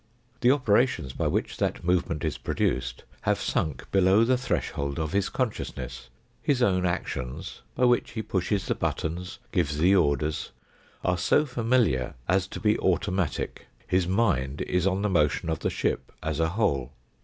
The operations by which that movement is produced have sunk below the threshold of his con sciousness, his own actions, by which he pushes the buttons, gives the orders, are so familiar as to be automatic, his mind is on the motion of the ship as a whole.